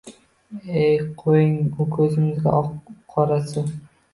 Ey, qo‘ying, u ko‘zimizning oq-u qorasi.